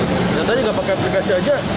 ternyata juga pakai aplikasi aja